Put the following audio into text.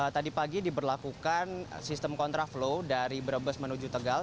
tadi pagi diberlakukan sistem kontraflow dari brebes menuju tegal